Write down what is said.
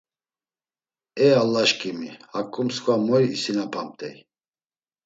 E Allaşǩimi, haǩu msǩva moy isinapamt̆ey.